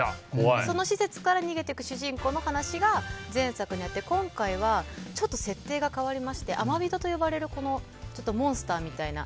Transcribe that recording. その施設から逃げていく主人公の話が前作にあって今回はちょっと設定が変わりまして天人と呼ばれるこのモンスターみたいな。